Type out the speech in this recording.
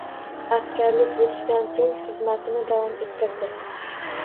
Askarlik burchidan so`ng, xizmatini davom ettirdi